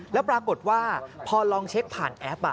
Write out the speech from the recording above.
แล้วปรากฏว่าพอลองเช็คผ่านแอป